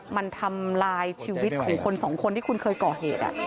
มันทำลายชีวิตของคนสองคนที่คุณเคยก่อเหตุ